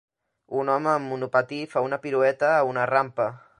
Un home amb monopatí fa una pirueta a una rampa.